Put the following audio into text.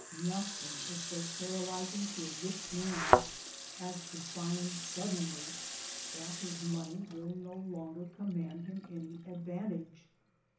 Nothing is so paralyzing to a rich man as to find suddenly that his money will no longer command him any advantage.